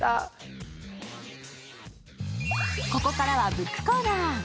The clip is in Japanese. ここからはブックコーナー。